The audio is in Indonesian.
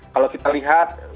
kalau kita lihat